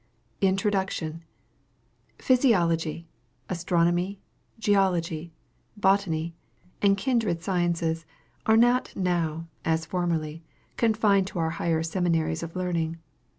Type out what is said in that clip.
INTRODUCTION. Physiology, Astronomy, Geology, Botany, and kindred sciences, are not now, as formerly, confined to our higher seminaries of learning.